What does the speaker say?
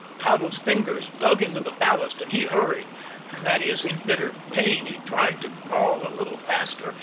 Toddles' fingers dug into the ballast, and he hurried that is, in bitter pain, he tried to crawl a little faster.